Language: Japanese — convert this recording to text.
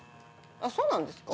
あっそうなんですか？